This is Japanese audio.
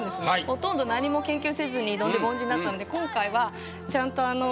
ほとんど何も研究せずに挑んで凡人になったので今回はちゃんとあの。